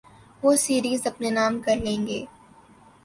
وہ سیریز اپنے نام کر لیں گے۔